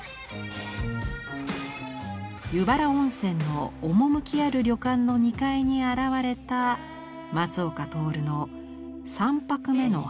湯原温泉の趣ある旅館の２階に現れた松岡徹の「３泊目のはんざきさん」。